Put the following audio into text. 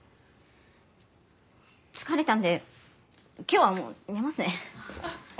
疲れたんで今日はもう寝ますね。